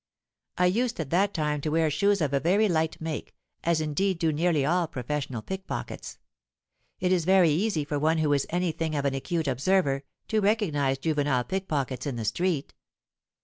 I used at that time to wear shoes of a very light make—as indeed do nearly all professional pickpockets. It is very easy for one who is any thing of an acute observer, to recognise juvenile pickpockets in the street.